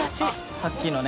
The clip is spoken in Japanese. さっきのね。